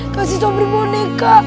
kasih sopri boneka